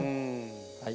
はい。